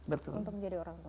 untuk menjadi orang tua